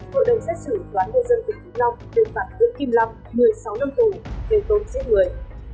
hội đồng xét xử tòa nghe dân tỉnh kim long được phạm nguyễn kim long một mươi sáu năm tù về tốn giết người